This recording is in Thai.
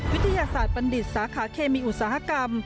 วิทยาศาสตร์บัณฑิตสาขาเคมีอุตสาหกรรม